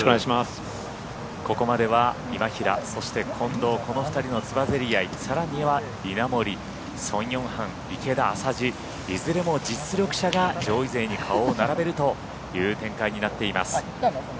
ここまでは今平、そして近藤この２人のつばぜり合いさらには稲森、ソン・ヨンハン池田、浅地いずれも実力者が上位勢に顔を並べるという展開になっています。